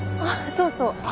あっそうそう！